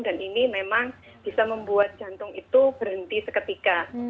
dan ini memang bisa membuat jantung itu berhenti seketika